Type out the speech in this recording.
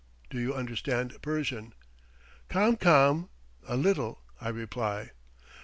(Do you understand Persian?) "Kam Kam" (a little), I reply.